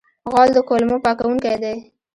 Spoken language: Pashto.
غول د کولمو پاکونکی دی.